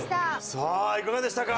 さあいかがでしたか？